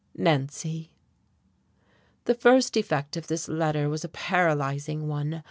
Nancy." The first effect of this letter was a paralyzing one.